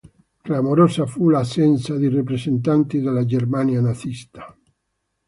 Clamorosa fu l'assenza di rappresentanti della Germania nazista.